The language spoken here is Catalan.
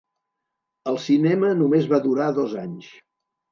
El cinema només va durar dos anys.